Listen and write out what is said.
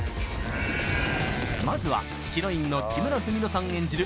まずはヒロインの木村文乃さん演じる